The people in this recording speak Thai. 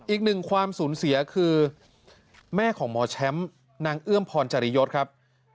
อีกหนึ่งความสูญเสียคือแม่ของหมอแชมป์นางเอื้อมพรจริยศครับ